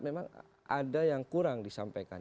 memang ada yang kurang disampaikan